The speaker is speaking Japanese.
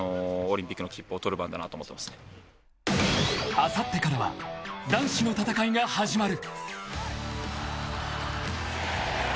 ［あさってからは男子の戦いが始まる］